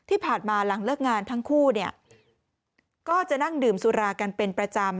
ที่ผ่านมาหลังเลิกงานทั้งคู่เนี่ยก็จะนั่งดื่มสุรากันเป็นประจำ